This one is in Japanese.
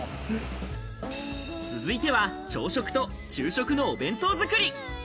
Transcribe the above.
続いては、朝食と昼食のお弁当作り。